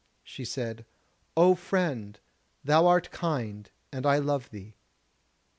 She said: "O friend, thou art kind, and I love thee."